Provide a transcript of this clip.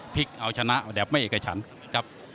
พลิกเอาชนะแล้วแดบไม่เอกชันครับ